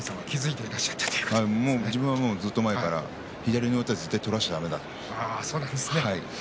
自分は、もうずっと前から左の上手は絶対、取らせてはいけないと。